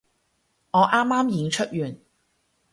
我啱啱演出完